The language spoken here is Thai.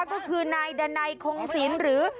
ก็คือนายดันัยคงศิลป์หรือ